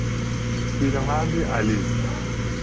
پیرمردی علیل